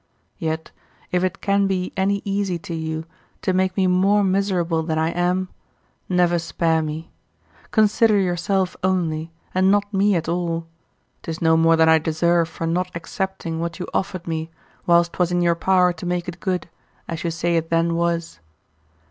Yet if it can be any ease to you to make me more miserable than I am, never spare me; consider yourself only, and not me at all, 'tis no more than I deserve for not accepting what you offered me whilst 'twas in your power to make it good, as you say it then was.